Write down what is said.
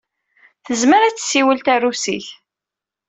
Tezmer ad tessiwel tarusit.